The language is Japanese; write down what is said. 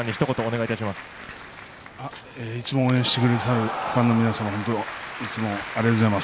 いつも応援してくださるファンの皆さんいつもありがとうございます。